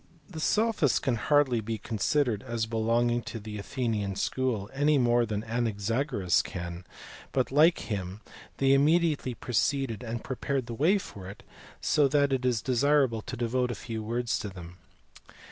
The sophists can hardly be considered as belonging to the Athenian school, any more than Anaxagoras can; but like him they immediately preceded and prepared the way for it, so that it is desirable to devote a few words to them.